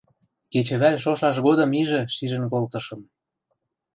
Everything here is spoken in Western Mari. Кечӹвӓл шошаш годым ижӹ шижӹн колтышым.